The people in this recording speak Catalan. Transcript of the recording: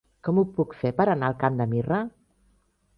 Com ho puc fer per anar al Camp de Mirra?